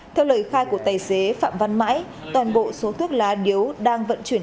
theo lời khai của tài xế phạm văn mãi toàn bộ số thuốc lá điếu đang vận chuyển